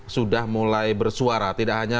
sudah mulai bersuara tidak hanya